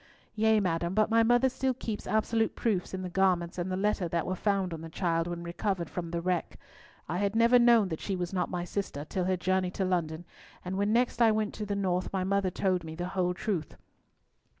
"Yea, madam, but my mother still keeps absolute proofs in the garments and the letter that were found on the child when recovered from the wreck. I had never known that she was not my sister till her journey to London; and when next I went to the north my mother told me the whole truth."